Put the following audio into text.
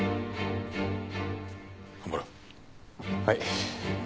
はい。